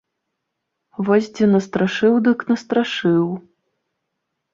Вось дзе настрашыў дык настрашыў!